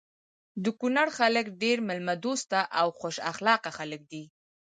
د کونړ خلک ډير ميلمه دوسته او خوش اخلاقه خلک دي.